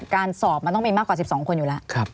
การสอบมันต้องมีมากกว่า๑๒คนอยู่แล้ว